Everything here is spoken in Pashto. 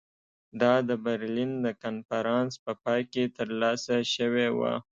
دا د برلین د کنفرانس په پای کې ترلاسه شوې وه.